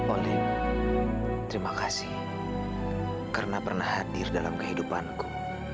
olehmu terima kasih karena pernah hadir dalam kehidupanku